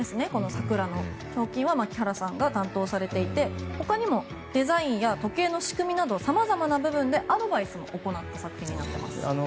桜の彫金は牧原さんが担当されていて、ほかにもデザインや時計の仕組みなど様々な部分でアドバイスも行った作品になっています。